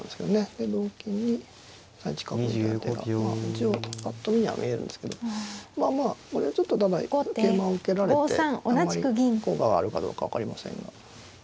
で同金に３一角を狙う手が一応ぱっと見には見えるんですけどまあまあこれはちょっとただ桂馬を受けられてあんまり効果があるかどうかは分かりませんが。